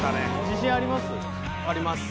自信あります？